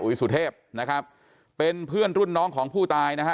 สุเทพนะครับเป็นเพื่อนรุ่นน้องของผู้ตายนะฮะ